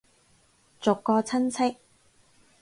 逐個親戚